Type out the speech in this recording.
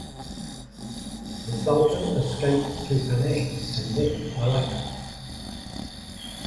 The Sultan escaped to Penang and then Malacca.